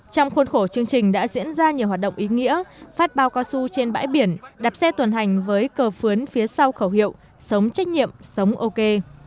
trong khuôn khổ chương trình đã diễn ra nhiều hoạt động ý nghĩa phát bao cao su trên bãi biển đạp xe tuần hành với cờ phướn phía sau khẩu hiệu sống trách nhiệm sống ok